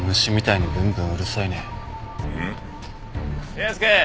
圭介！